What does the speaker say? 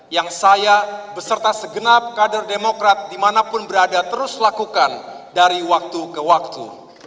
yang saya beserta segenap kader demokrat dimanapun berada terus lakukan dari waktu ke waktu